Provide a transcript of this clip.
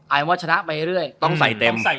ว่าชนะไปเรื่อยต้องใส่เต็ม